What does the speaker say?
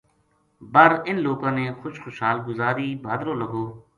بر انھ لوکاں نے خوش خوشحال گزاری بھادرو لگو